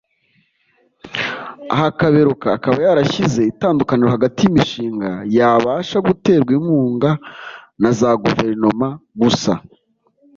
Aha Kaberuka akaba yarashyize itandukaniro hagati y’imishinga yabasha guterwa inkunga na za guverinoma gusa